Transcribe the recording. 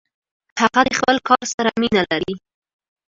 هغه د خپل کار سره مینه لري.